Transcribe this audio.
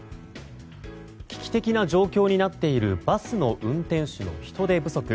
危機的な状況になっているバスの運転手の人手不足。